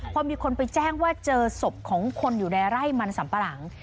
พอมีคนไปแจ้งว่าเจอศพของคนอยู่ในไร่มันสัมปะหลัง